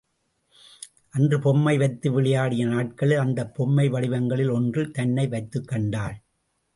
அன்று பொம்மை வைத்து விளையாடிய நாட்களில் அந்தப் பொய்மை வடிவங்களில் ஒன்றில் தன்னை வைத்துக் கண்டாள்.